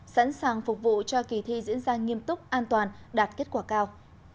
sẵn sàng phục vụ cho kỳ thi diễn ra nghiêm túc an toàn đạt kết quả cao